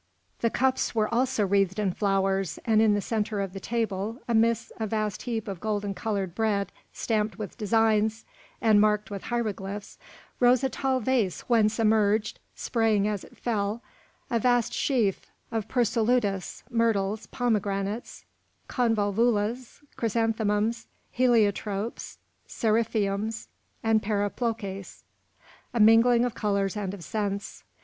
The cups were also wreathed in flowers, and in the centre of the table, amid a vast heap of golden coloured bread stamped with designs and marked with hieroglyphs, rose a tall vase whence emerged, spraying as it fell, a vast sheaf of persolutas, myrtles, pomegranates, convolvulus, chrysanthemums, heliotropes, seriphiums, and periplocas, a mingling of colours and of scents.